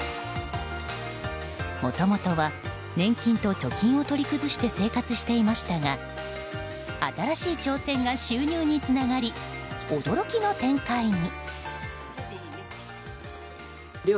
もともとは年金と貯金を取り崩して生活していましたが新しい挑戦が収入につながり驚きの展開に。